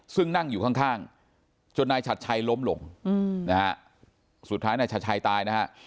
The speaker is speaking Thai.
ซึ่งนั่งอยู่ข้างจนนายชัดชัยล้มลงนะฮะสุดท้ายนายชัดชัยตายนะฮะ